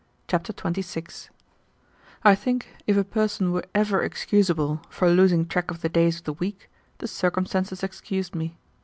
Chapter 26 I think if a person were ever excusable for losing track of the days of the week, the circumstances excused me.